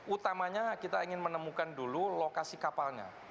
utamanya kita ingin menemukan dulu lokasi kapalnya